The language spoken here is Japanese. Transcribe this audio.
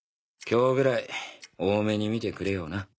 今日ぐらい大目に見てくれよな。